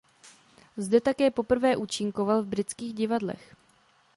Zde také poprvé účinkoval v britských divadlech.